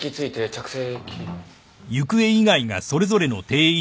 着席。